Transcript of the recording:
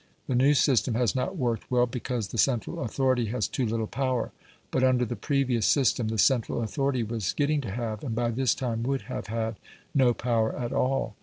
The new system has not worked well because the central authority has too little power; but under the previous system the central authority was getting to have, and by this time would have had, no power at all.